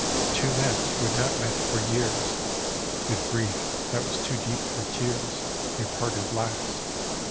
Two met who had not met for years: With grief that was too deep for tears They parted last.